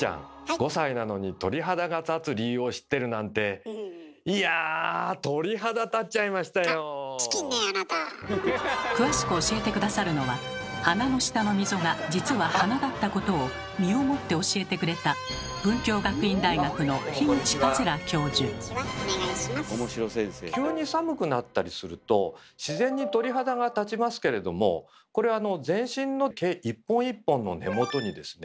５歳なのに鳥肌が立つ理由を知ってるなんて詳しく教えて下さるのは鼻の下の溝が実は鼻だったことを身をもって教えてくれた急に寒くなったりすると自然に鳥肌が立ちますけれどもこれあの全身の毛一本一本の根元にですね